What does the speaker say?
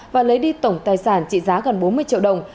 và lấy đi tổng tài sản trị giá gần bốn mươi triệu đồng